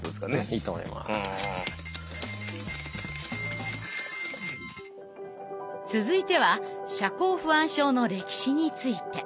続いては社交不安症の歴史について。